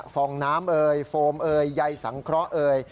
ฟองน้ำเอ่ยโฟมเอยใยสังเคราะห์เอ่ย